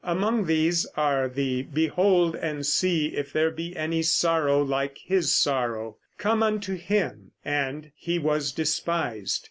Among these are the "Behold and See if There Be Any Sorrow Like His Sorrow," "Come unto Him," and "He was Despised."